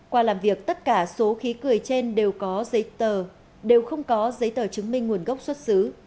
qua làm việc tất cả số khí cười trên đều không có giấy tờ chứng minh nguồn gốc xuất xứ